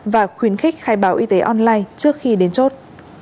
và khuyến khích khai báo y tế online trước khi đến chốt